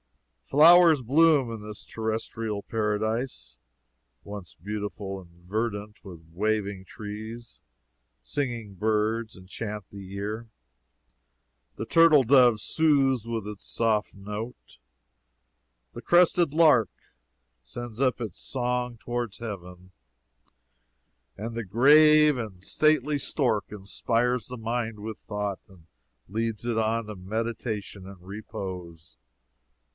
Flowers bloom in this terrestrial paradise, once beautiful and verdant with waving trees; singing birds enchant the ear; the turtle dove soothes with its soft note; the crested lark sends up its song toward heaven, and the grave and stately stork inspires the mind with thought, and leads it on to meditation and repose.